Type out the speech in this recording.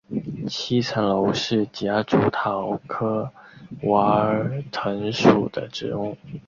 七层楼是夹竹桃科娃儿藤属的植物。